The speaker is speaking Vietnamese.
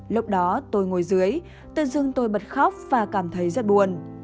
lúc đó tôi ngồi dưới tôi dưng tôi bật khóc và cảm thấy rất buồn